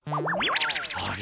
あれ？